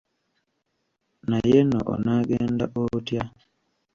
Naye nno onaagenda otya?